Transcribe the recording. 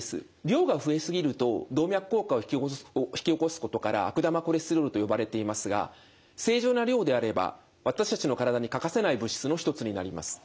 量が増え過ぎると動脈硬化を引き起こすことから悪玉コレステロールと呼ばれていますが正常な量であれば私たちの体に欠かせない物質の一つになります。